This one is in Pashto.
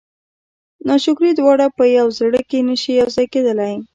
ناشکري دواړه په یوه زړه کې نه شي یو ځای کېدلی.